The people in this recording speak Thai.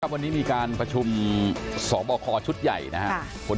วันนี้มีการประชุมสบคชุดใหญ่นะครับ